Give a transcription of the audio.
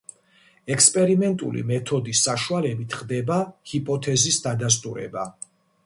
ექსპერიმენტული მეთოდის საშუალებით ხდება ჰიპოთეზის დადასტურება.